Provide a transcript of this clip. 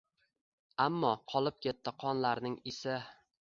Ammo qolib ketdi qonlarning isi.